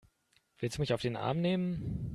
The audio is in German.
Willst du mich auf den Arm nehmen?